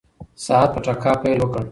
ساعت په ټکا پیل وکړ.